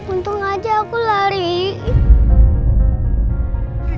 untung aja aku lari